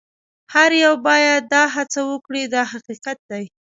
هر یو باید دا هڅه وکړي دا حقیقت دی.